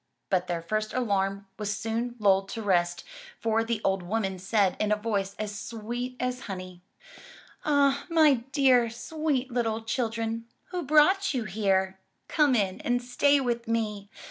But their first alarm was soon lulled to rest, for the old woman said in a voice as sweet as honey: Ah, my dear, sweet little children, who brought you here? Come in and stay with me!